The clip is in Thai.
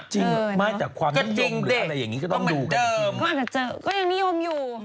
จริงใช่ไหมโอเคคือเหมือนเดิก